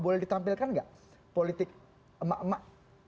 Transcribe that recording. boleh ditampilkan nggak politik emak emak